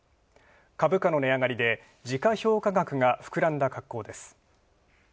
株価の値上がりで時価評価額が膨らんだ格好です。